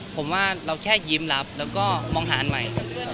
ผมว่าเราแค่ยิ้มรับแล้วก็มองหาอันใหม่